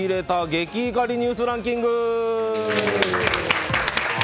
ゲキ怒りニュースランキング！